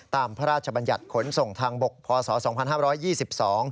ตามพระราชบัญญัติขนส่งทางบกพศ๒๕๒๒